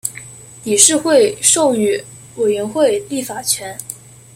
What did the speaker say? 理事会授予委员会立法权。